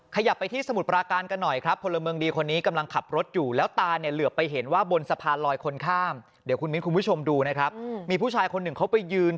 ขยับไปที่สมุทรปราการกันหน่อยทำอะไรเขาปล่อยแขนปั๊บเนี่ยร่วงตูปแน่นอนเหมือนกำลังจะคิดสั้นฆ่าตัวตายไปดูวินาทีการช่วยชีวิตหน่อย